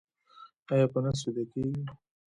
ایا په نس ویده کیږئ؟